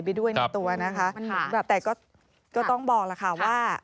เรื่องการเดินทางลัดเขาเก่งจริง